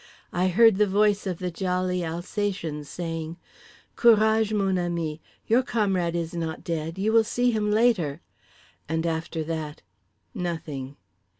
I heard the voice of the jolly Alsatian saying: "Courage, mon ami, your comrade is not dead; you will see him later," and after that, nothing.